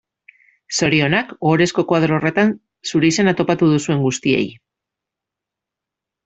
Zorionak ohorezko koadro horretan zure izena topatu duzuen guztiei.